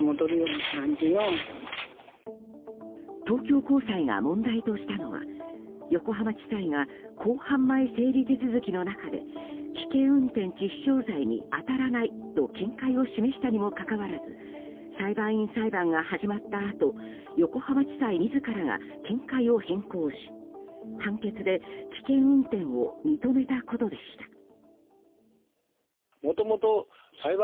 東京高裁が問題としたのは横浜地裁が公判前整理手続きの中で危険運転致死傷罪に当たらないと見解を示したにもかかわらず裁判員裁判が始まったあと横浜地裁自らが見解を変更し、判決で危険運転を認めたことでした。